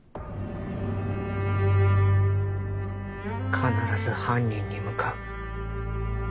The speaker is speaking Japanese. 必ず犯人に向かう。